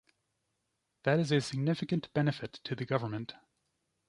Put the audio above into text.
That is a significant benefit to the government.